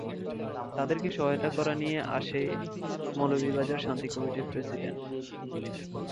তাদেরকে সহায়তা করে নিয়ে আসে মৌলভীবাজার শান্তি কমিটির প্রেসিডেন্ট।